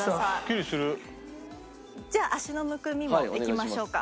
じゃあ足のむくみもいきましょうか。